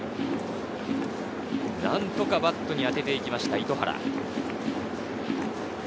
何とかバットに当てていきました、糸原。